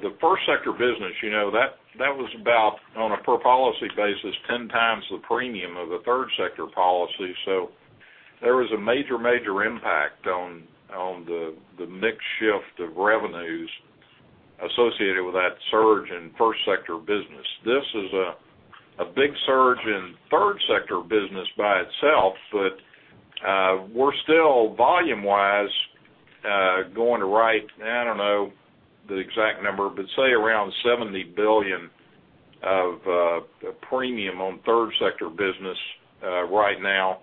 The First Sector business, that was about, on a per policy basis, 10 times the premium of a Third Sector policy. There was a major impact on the mix shift of revenues associated with that surge in First Sector business. This is a big surge in Third Sector business by itself, we're still, volume wise, going to write, I don't know the exact number, but say around 70 billion of premium on Third Sector business right now.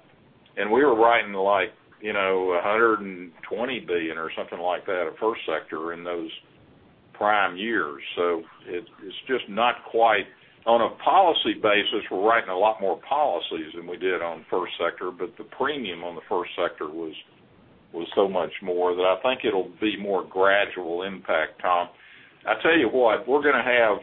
We were writing like 120 billion or something like that of First Sector in those prime years. It's just not quite on a policy basis, we're writing a lot more policies than we did on first sector, the premium on the first sector was so much more that I think it'll be more gradual impact, Tom. I tell you what, we're going to have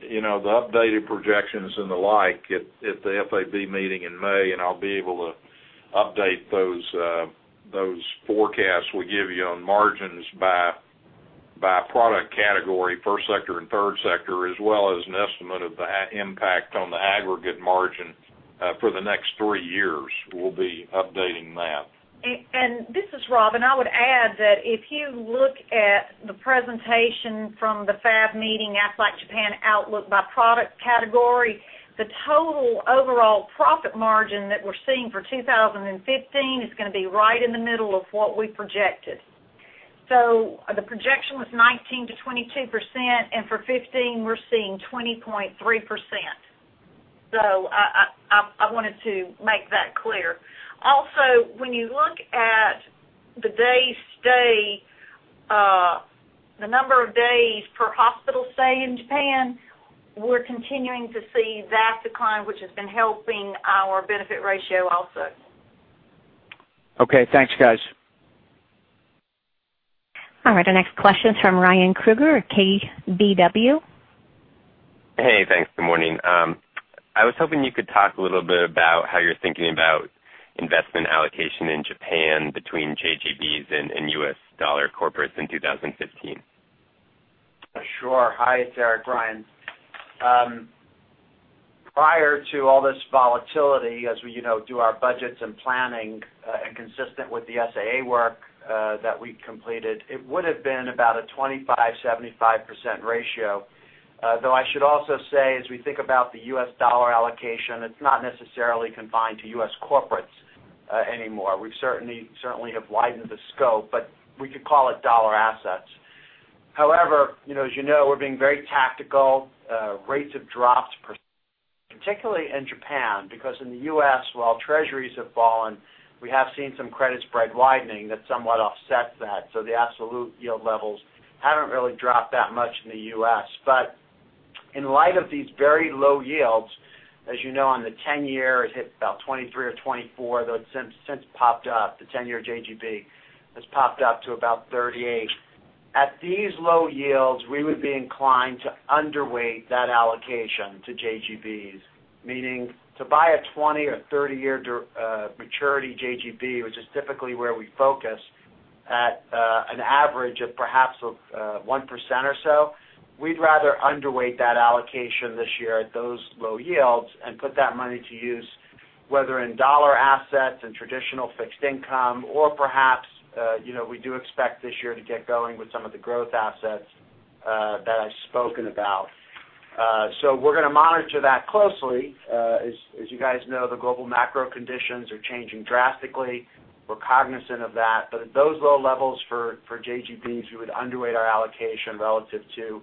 the updated projections and the like at the FAB meeting in May, and I'll be able to update those forecasts we give you on margins by product category, first sector and third sector, as well as an estimate of the impact on the aggregate margin for the next three years. We'll be updating that. This is Robin. I would add that if you look at the presentation from the FAB meeting, Aflac Japan outlook by product category, the total overall profit margin that we're seeing for 2015 is going to be right in the middle of what we projected. The projection was 19%-22%, and for 2015, we're seeing 20.3%. I wanted to make that clear. Also, when you look at the number of days per hospital stay in Japan, we're continuing to see that decline, which has been helping our benefit ratio also. Okay, thanks, guys. All right, our next question is from Ryan Krueger at KBW. Hey, thanks. Good morning. I was hoping you could talk a little bit about how you're thinking about investment allocation in Japan between JGBs and U.S. dollar corporates in 2015. Sure. Hi, it's Eric, Ryan. Prior to all this volatility, as we do our budgets and planning, and consistent with the SAA work that we completed, it would have been about a 25%-75% ratio. Though I should also say, as we think about the U.S. dollar allocation, it's not necessarily confined to U.S. corporates anymore. We certainly have widened the scope, but we could call it dollar assets. As you know, we're being very tactical. Rates have dropped, particularly in Japan, because in the U.S., while treasuries have fallen, we have seen some credit spread widening that somewhat offsets that. The absolute yield levels haven't really dropped that much in the U.S. In light of these very low yields, as you know, on the 10-year, it hit about 23 or 24, though it's since popped up. The 10-year JGB has popped up to about 38. At these low yields, we would be inclined to underweight that allocation to JGBs, meaning to buy a 20 or 30-year maturity JGB, which is typically where we focus at an average of perhaps of 1% or so. We'd rather underweight that allocation this year at those low yields and put that money to use, whether in dollar assets and traditional fixed income or perhaps we do expect this year to get going with some of the growth assets that I've spoken about. We're going to monitor that closely. As you guys know, the global macro conditions are changing drastically. We're cognizant of that. At those low levels for JGBs, we would underweight our allocation relative to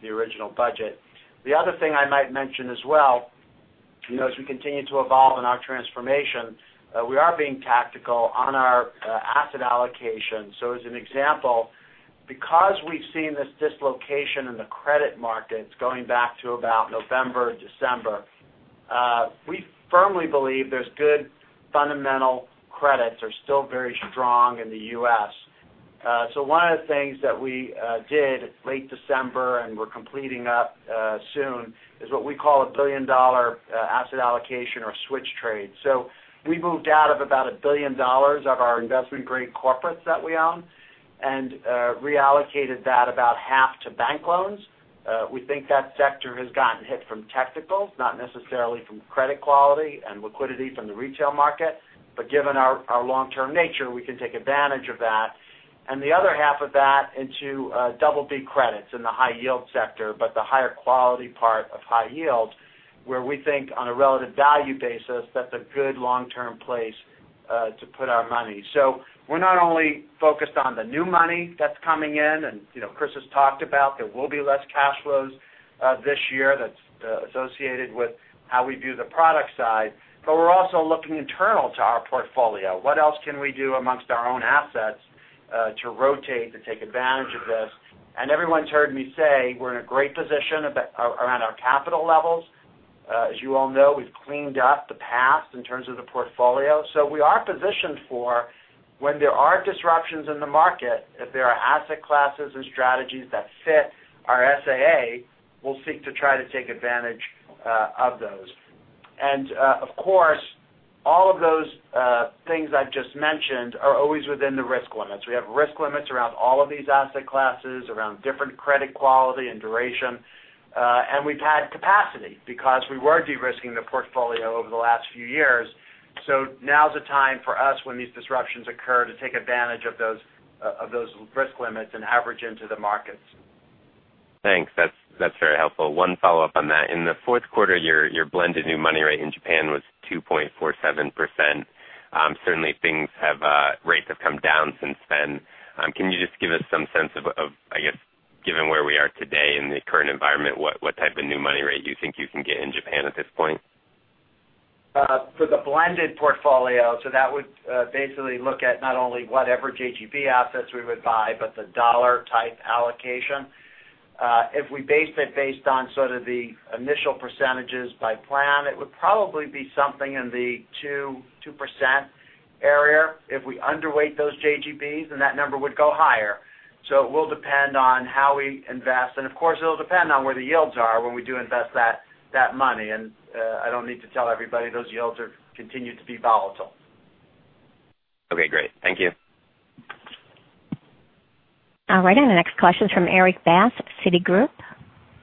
the original budget. The other thing I might mention as well, as we continue to evolve in our transformation, we are being tactical on our asset allocation. As an example, because we've seen this dislocation in the credit markets going back to about November, December, we firmly believe there's good fundamental credits are still very strong in the U.S. One of the things that we did late December, and we're completing up soon, is what we call a billion-dollar asset allocation or switch trade. We moved out of about $1 billion of our investment-grade corporates that we own and reallocated that about half to bank loans. We think that sector has gotten hit from technicals, not necessarily from credit quality and liquidity from the retail market. Given our long-term nature, we can take advantage of that. The other half of that into BB credits in the high yield sector, but the higher quality part of high yield, where we think on a relative value basis, that's a good long-term place to put our money. We're not only focused on the new money that's coming in, Kriss has talked about there will be less cash flows this year that's associated with how we view the product side. We're also looking internal to our portfolio. What else can we do amongst our own assets to rotate to take advantage of this? Everyone's heard me say we're in a great position around our capital levels. As you all know, we've cleaned up the past in terms of the portfolio. We are positioned for when there are disruptions in the market, if there are asset classes and strategies that fit our SAA, we'll seek to try to take advantage of those. Of course, all of those things I've just mentioned are always within the risk limits. We have risk limits around all of these asset classes, around different credit quality and duration. We've had capacity because we were de-risking the portfolio over the last few years. Now is the time for us when these disruptions occur to take advantage of those risk limits and average into the markets. Thanks. That's very helpful. One follow-up on that. In the fourth quarter, your blended new money rate in Japan was 2.47%. Certainly, rates have come down since then. Can you just give us some sense of, I guess, given where we are today in the current environment, what type of new money rate you think you can get in Japan at this point? For the blended portfolio, that would basically look at not only whatever JGB assets we would buy, but the dollar type allocation. If we based it based on sort of the initial percentages by plan, it would probably be something in the 2% area. If we underweight those JGBs, that number would go higher. It will depend on how we invest. Of course, it'll depend on where the yields are when we do invest that money. I don't need to tell everybody those yields continue to be volatile. Okay, great. Thank you. The next question is from Erik Bass, Citigroup.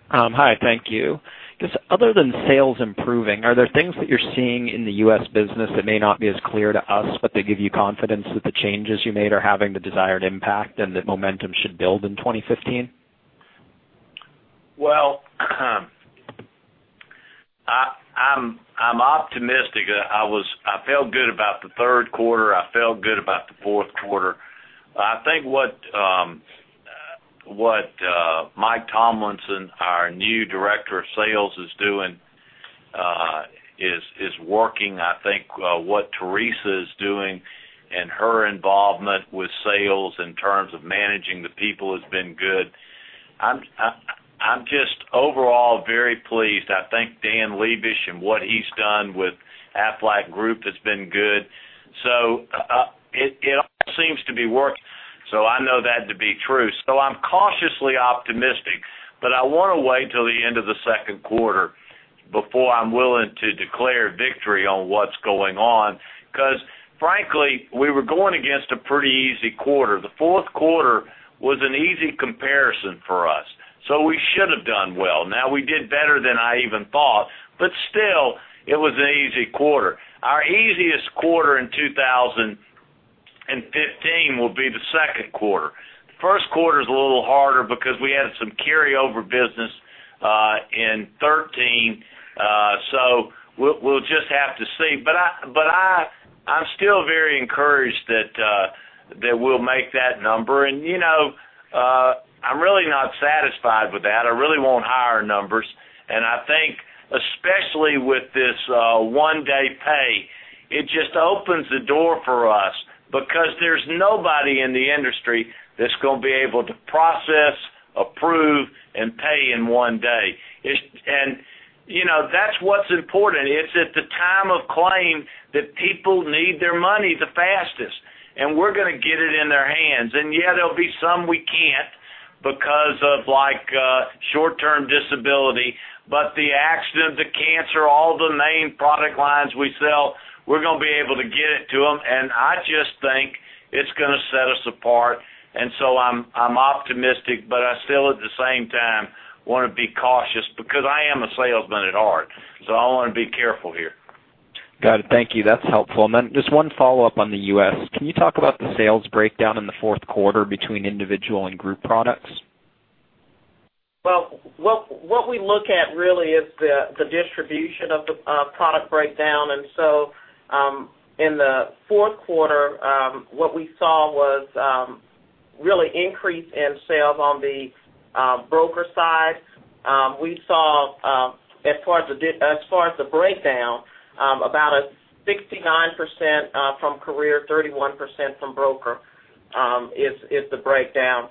Hi, thank you. Just other than sales improving, are there things that you're seeing in the U.S. business that may not be as clear to us, but they give you confidence that the changes you made are having the desired impact and that momentum should build in 2015? Well, I'm optimistic. I felt good about the third quarter. I felt good about the fourth quarter. I think what Mike Tomlinson, our new Director of Sales, is doing is working. I think what Teresa is doing and her involvement with sales in terms of managing the people has been good. I'm just overall very pleased. I think Dan Lebish and what he's done with Aflac Group has been good. It all seems to be working, so I know that to be true. I'm cautiously optimistic, but I want to wait till the end of the second quarter before I'm willing to declare victory on what's going on because, frankly, we were going against a pretty easy quarter. The fourth quarter was an easy comparison for us, so we should have done well. Now we did better than I even thought, but still, it was an easy quarter. Our easiest quarter in 2015 will be the second quarter. First quarter's a little harder because we had some carryover business in 2013. We'll just have to see. I'm still very encouraged that we'll make that number. I'm really not satisfied with that. I really want higher numbers, and I think especially with this One Day Pay, it just opens the door for us because there's nobody in the industry that's going to be able to process, approve, and pay in one day. That's what's important. It's at the time of claim that people need their money the fastest, and we're going to get it in their hands. Yeah, there'll be some we can't because of short-term disability. The accident, the cancer, all the main product lines we sell, we're going to be able to get it to them, and I just think it's going to set us apart. I'm optimistic, I still at the same time want to be cautious because I am a salesman at heart. I want to be careful here. Got it. Thank you. That's helpful. Just one follow-up on the U.S. Can you talk about the sales breakdown in the fourth quarter between individual and group products? What we look at really is the distribution of the product breakdown. In the fourth quarter, what we saw was really increase in sales on the broker side. We saw as far as the breakdown, about 69% from career, 31% from broker is the breakdown.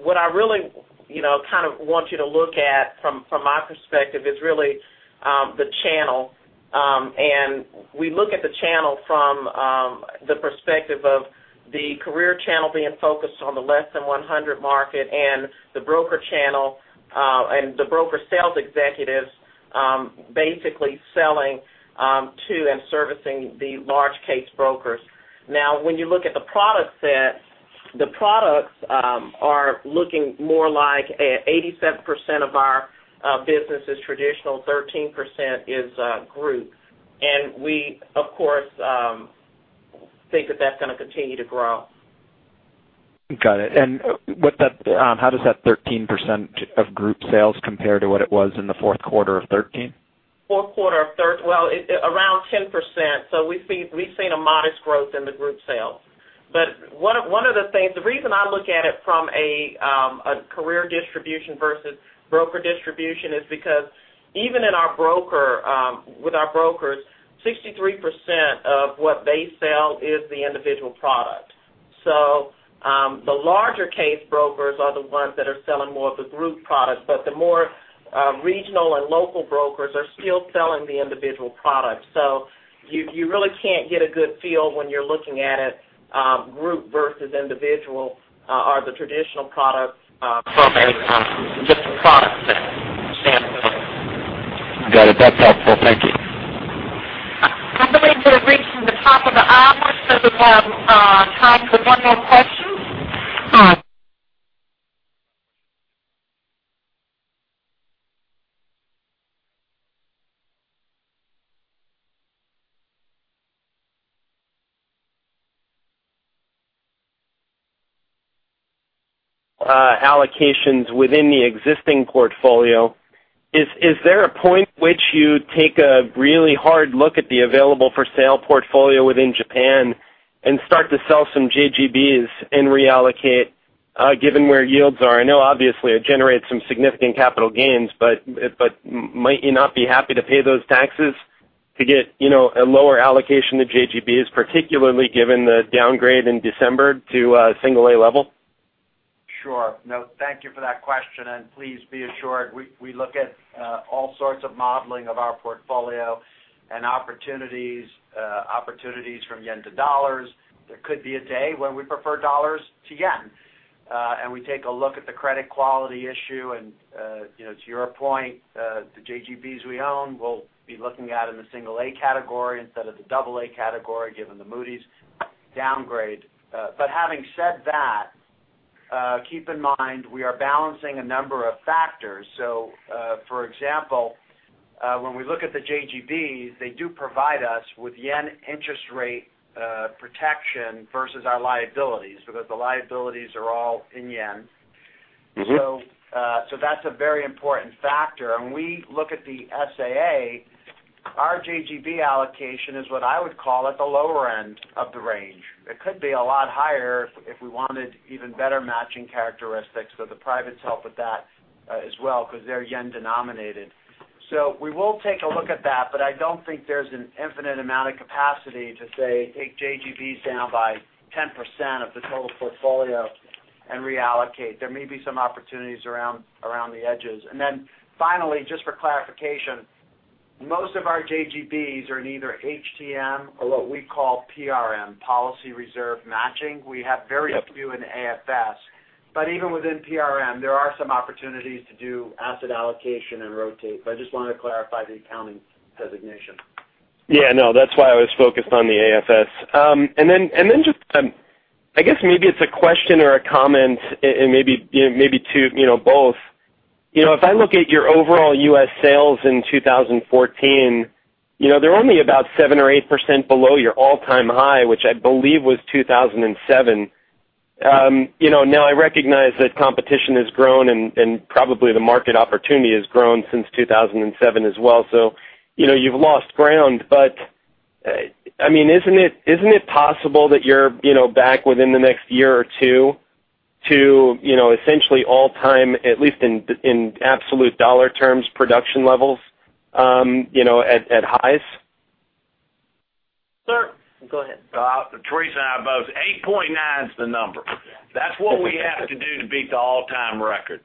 What I really kind of want you to look at from my perspective is really the channel We look at the channel from the perspective of the career channel being focused on the less than 100 market and the broker channel, and the broker sales executives basically selling to and servicing the large case brokers. Now, when you look at the product set, the products are looking more like 87% of our business is traditional, 13% is group. We, of course, think that that's going to continue to grow. Got it. How does that 13% of group sales compare to what it was in the fourth quarter of 2013? Well, around 10%. We've seen a modest growth in the group sales. One of the things, the reason I look at it from a career distribution versus broker distribution is because even with our brokers, 63% of what they sell is the individual product. The larger case brokers are the ones that are selling more of the group product, but the more regional and local brokers are still selling the individual product. You really can't get a good feel when you're looking at it, group versus individual are the traditional products from a just a product set standpoint. Got it. That's helpful. Thank you. I believe we're reaching the top of the hour, so we have time for one more question. Allocations within the existing portfolio. Is there a point which you take a really hard look at the available-for-sale portfolio within Japan and start to sell some JGBs and reallocate, given where yields are? I know obviously it generates some significant capital gains, but might you not be happy to pay those taxes to get a lower allocation to JGBs, particularly given the downgrade in December to a single A level? Sure. No, thank you for that question, and please be assured, we look at all sorts of modeling of our portfolio and opportunities from JPY to USD. There could be a day when we prefer USD to JPY. We take a look at the credit quality issue. To your point, the JGBs we own, we'll be looking at in the single A category instead of the double A category, given the Moody's downgrade. Having said that, keep in mind we are balancing a number of factors. For example, when we look at the JGBs, they do provide us with JPY interest rate protection versus our liabilities, because the liabilities are all in JPY. That's a very important factor. We look at the SAA, our JGB allocation is what I would call at the lower end of the range. It could be a lot higher if we wanted even better matching characteristics, so the privates help with that as well, because they're JPY denominated. We will take a look at that, but I don't think there's an infinite amount of capacity to, say, take JGBs down by 10% of the total portfolio and reallocate. There may be some opportunities around the edges. Then finally, just for clarification, most of our JGBs are in either HTM or what we call PRM, policy reserve matching. We have very few in AFS. Even within PRM, there are some opportunities to do asset allocation and rotate. I just wanted to clarify the accounting designation. Yeah, no, that's why I was focused on the AFS. Then just, I guess maybe it's a question or a comment, and maybe two, both. If I look at your overall U.S. sales in 2014, they're only about 7% or 8% below your all-time high, which I believe was 2007. Now I recognize that competition has grown and probably the market opportunity has grown since 2007 as well, so you've lost ground. Isn't it possible that you're back within the next year or two to essentially all time, at least in absolute USD terms, production levels at highs? Sir. Go ahead. Teresa and I both, 8.9 is the number. That's what we have to do to beat the all-time record.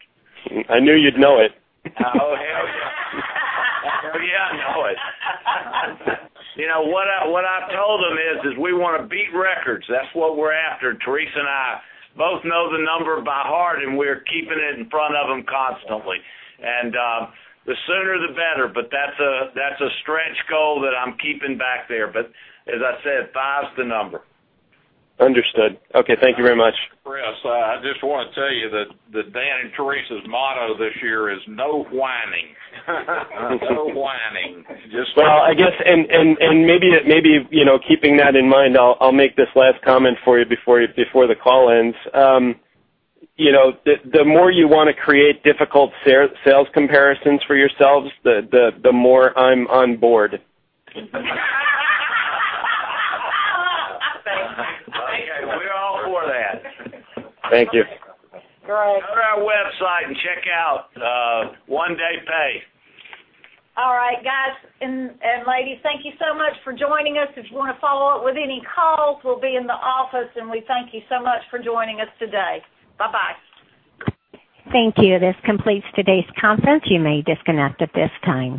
I knew you'd know it. Oh, hell yeah. Oh yeah, I know it. What I've told them is we want to beat records. That's what we're after. Teresa and I both know the number by heart, and we're keeping it in front of them constantly. The sooner the better, that's a stretch goal that I'm keeping back there. As I said, five's the number. Understood. Okay. Thank you very much. Kriss, I just want to tell you that Dan and Teresa's motto this year is no whining. No whining. Well, I guess, maybe keeping that in mind, I'll make this last comment for you before the call ends. The more you want to create difficult sales comparisons for yourselves, the more I'm on board. Thank you. We're all for that. Thank you. Go ahead. Go to our website and check out One Day Pay. All right, guys and ladies, thank you so much for joining us. If you want to follow up with any calls, we'll be in the office, we thank you so much for joining us today. Bye-bye. Thank you. This completes today's conference. You may disconnect at this time.